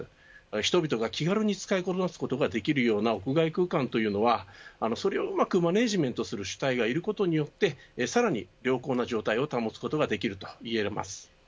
人々が気軽に使いこなすことができる屋外空間はそれをうまくマネジメントする主体がいることによってさらに良好な状態を保つことができるといえます。